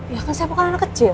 ya kan saya bukan anak kecil